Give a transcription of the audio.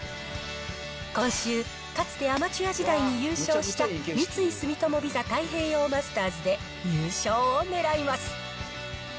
今週、かつてアマチュア時代に優勝した、三井住友ＶＩＳＡ太平洋マスターズで優勝を狙います。